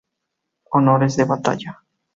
Honores de Batalla